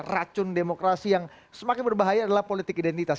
racun demokrasi yang semakin berbahaya adalah politik identitas